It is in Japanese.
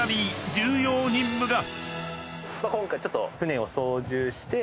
今回ちょっと。